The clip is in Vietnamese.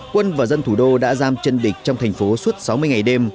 quân và dân thủ đô đã giam chân địch trong thành phố suốt sáu mươi ngày đêm